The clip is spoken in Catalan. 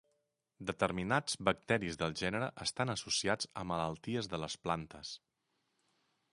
Determinats bacteris del gènere estan associats a malalties de les plantes.